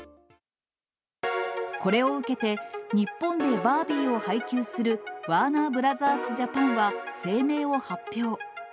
これを受けて、日本でバービーを配給する、ワーナーブラザースジャパンは声明を発表。